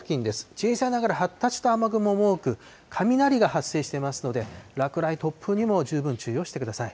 小さいながら発達した雨雲も多く、雷が発生してますので、落雷、突風にも十分注意をしてください。